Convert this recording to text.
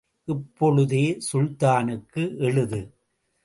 இப்பொழுதே சுல்தானுக்கு எழுது.